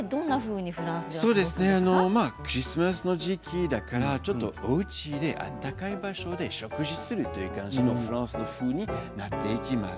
クリスマスの時期だからおうちで暖かい場所で食事をするという感じのフランス風になっていきます。